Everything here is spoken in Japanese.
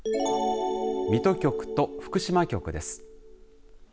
水戸局と福島局です。